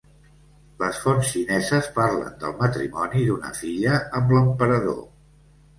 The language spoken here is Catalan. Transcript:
Les fonts xineses parlen del matrimoni d'una filla amb l'emperador.